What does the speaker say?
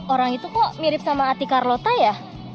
orang itu kok mirip sama ati carlota ya